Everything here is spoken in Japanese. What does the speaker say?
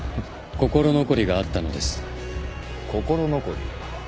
心残り？